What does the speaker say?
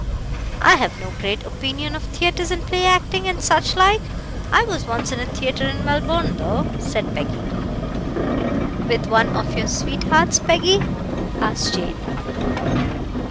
"I have no great opinion of theatres and play acting, and such like. I was once in a theatre in Melbourne, though," said Peggy. "With one of your sweethearts, Peggy?" asked Jane.